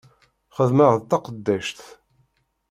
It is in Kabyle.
Xeddmeɣ d taqeddact.